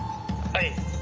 はい。